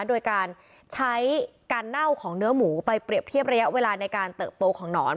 โดยการใช้การเน่าของเนื้อหมูไปเปรียบเทียบระยะเวลาในการเติบโตของหนอน